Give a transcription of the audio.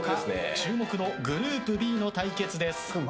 注目のグループＢの対決です。